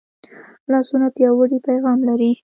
لاسونه پیاوړی پیغام لري